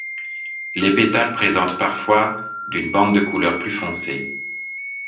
Les pétales présentent parfois d'une bande de couleur plus foncée.